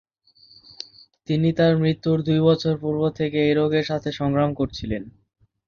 তিনি তার মৃত্যুর দুই বছর পূর্ব থেকে এই রোগের সাথে সংগ্রাম করছিলেন।